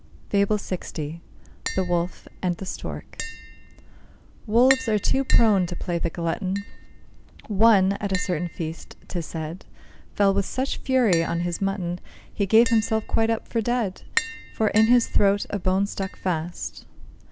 FABLE LX. THE WOLF AND THE STORK. Wolves are too prone to play the glutton. One, at a certain feast, 'tis said, Fell with such fury on his mutton, He gave himself quite up for dead, For in his throat a bone stuck fast.